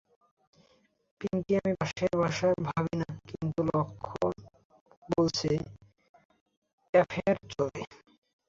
পিংকি আমি পাশের বাসার ভাবী না, কিন্তু লক্ষণ বলছে, অ্যাফেয়ার চলে।